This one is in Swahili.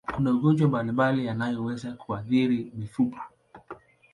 Kuna magonjwa mbalimbali yanayoweza kuathiri mifupa.